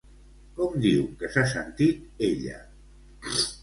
Com diu que s'ha sentit ella?